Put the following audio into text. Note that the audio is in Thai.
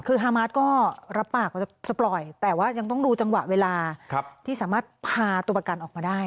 คือฮามาสก็รับปากว่าจะปล่อยแต่ว่ายังต้องดูจังหวะเวลาที่สามารถพาตัวประกันออกมาได้